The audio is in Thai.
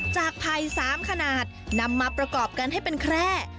ไผ่๓ขนาดนำมาประกอบกันให้เป็นแคร่